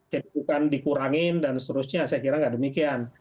jadi bukan dikurangin dan seterusnya saya kira tidak demikian